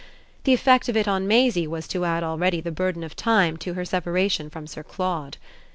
The effect of it on Maisie was to add already the burden of time to her separation from Sir Claude.